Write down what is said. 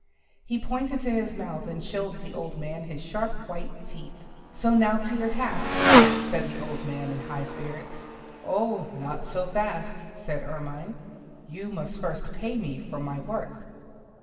He pointed to his mouth and showed the old man his sharp white teeth. "So now to your task," said the old man in high spirits. "Oh, not so fast," said Ermine, "you must first pay me for my work."